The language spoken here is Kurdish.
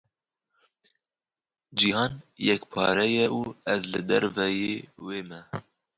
Cîhan yekpare ye û ez li derveyî wê me.